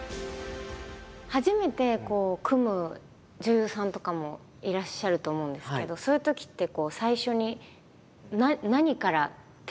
初めて組む女優さんとかもいらっしゃると思うんですけどそういうときって最初に何から手をつけるんですか？